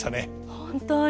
本当に。